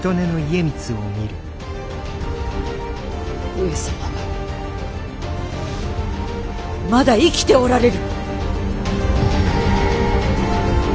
上様はまだ生きておられる。